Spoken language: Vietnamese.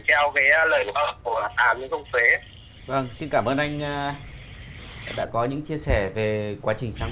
theo cái lời của hà phạm nhưng không phế vâng xin cảm ơn anh đã có những chia sẻ về quá trình sáng